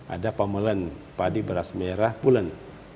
ada pamelan padi beras merah pulen